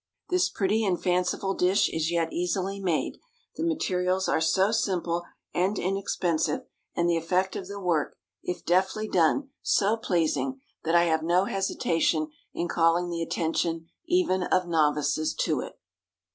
This pretty and fanciful dish is yet easily made. The materials are so simple and inexpensive, and the effect of the work, if deftly done, so pleasing, that I have no hesitation in calling the attention even of novices to it.